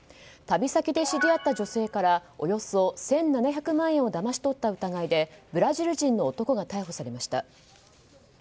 旅先で知り合った女性からおよそ１７００万円をだまし取った疑いでブラジル人の男が逮捕されました。